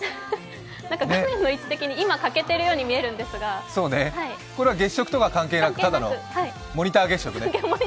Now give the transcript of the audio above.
画面の位置的に、今、欠けてるように見えますがこれは月食とは関係なくただのモニター月食ね。